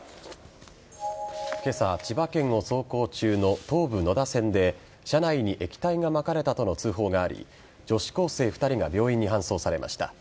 今朝千葉県走行中の東武野田線で車内に液体がまかれたとの通報があり女子高生２人が病院に搬送されました。